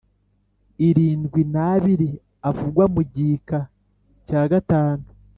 irindwi n abiri avugwa mu gika cya gatanu